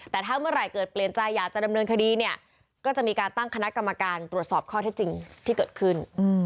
แต่ถ้าเมื่อไหร่เกิดเปลี่ยนใจอยากจะดำเนินคดีเนี่ยก็จะมีการตั้งคณะกรรมการตรวจสอบข้อเท็จจริงที่เกิดขึ้น